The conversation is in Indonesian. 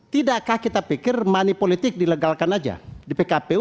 tidakkah kita pikir money politik dilegalkan saja di pkpu